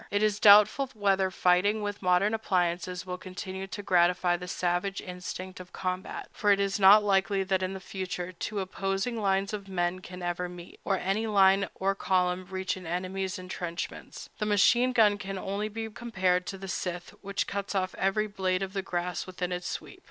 It is doubtful whether fighting with modern appliances will continue to gratify the savage instinct of combat; for it is not likely that in the future two opposing lines of men can ever meet, or any line or column reach an enemy's intrenchments. The machine gun can only be compared to the scythe, which cuts off every blade of grass within its sweep.